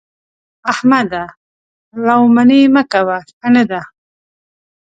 احمده! لو منې مه کوه؛ ښه نه ده.